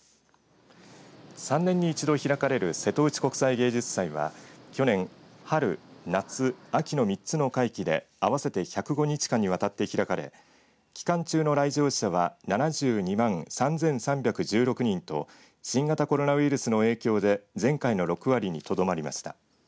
３年に１度開かれる瀬戸内国際芸術祭は去年、春、夏、秋の３つの会期で合わせて１０５日間にわたって開かれ期間中の来場者は７２万３３１６人と新型コロナウイルスの影響で前回の６割にとどまりました。